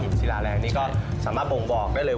อุตสิลาแหลกนี่ก็สามารถบ่งบอกได้เลย